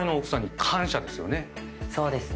そうですね。